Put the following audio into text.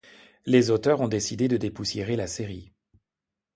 Les auteurs ont décidé de dépoussiérer la série.